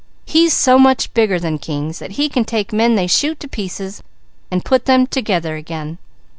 He's so much bigger than kings, that he can take men they shoot to pieces and put them together again.